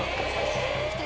来た！